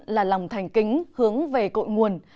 là lòng thành kính hướng về cội nguồn